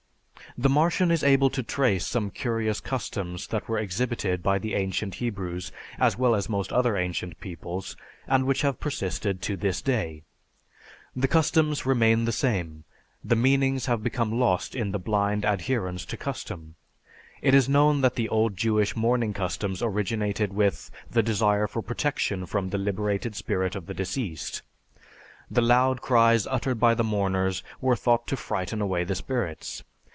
The Martian is able to trace some curious customs that were exhibited by the ancient Hebrews as well as most other ancient peoples, and which have persisted to this day. The customs remain the same, the meanings have become lost in the blind adherence to custom. It is known that the old Jewish mourning customs originated with the desire for protection from the liberated spirit of the deceased. The loud cries uttered by the mourners were thought to frighten away the spirits.